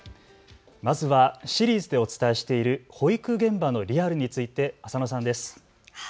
まずはシリーズでお伝えしている保育現場のリアルについて浅野さんです。